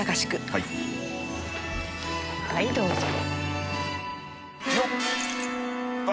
はいどうぞ。